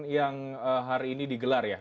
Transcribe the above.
yang hari ini digelar ya